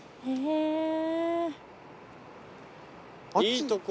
いいとこ。